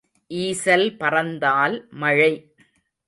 ஈசல் பறந்தால் மழை.